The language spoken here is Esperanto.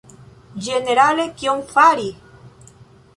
Ĝenerale, kion fari?